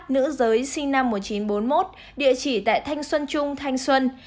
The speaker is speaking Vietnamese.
nữ giới sinh năm một nghìn chín trăm bốn mươi một địa chỉ tại thanh xuân trung thanh xuân